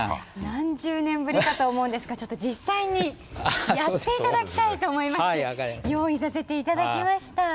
何十年ぶりかと思うんですが実際にやって頂きたいと思いまして用意させて頂きました。